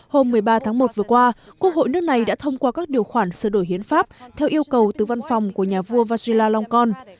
hôm một mươi ba tháng một vừa qua quốc hội nước này đã thông qua các điều khoản sơ đổi hiến pháp theo yêu cầu từ văn phòng của nhà vua vajiralongkorn